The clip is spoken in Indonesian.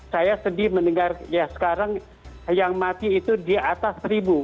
saya sedih mendengar ya sekarang yang mati itu di atas seribu